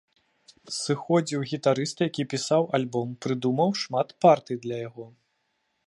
Сыходзіў гітарыст, які пісаў альбом, прыдумаў шмат партый для яго.